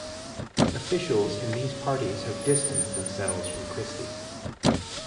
Officials in these parties have distanced themselves from Christie.